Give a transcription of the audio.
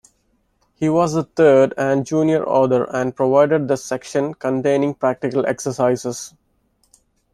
He was the third and junior author and provided the section containing practical exercises.